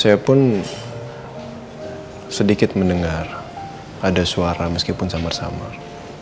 saya pun sedikit mendengar ada suara meskipun samar samar